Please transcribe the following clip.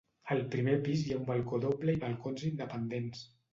Al primer pis hi ha un balcó doble i balcons independents.